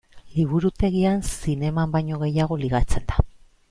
Liburutegian zineman baino gehiago ligatzen da.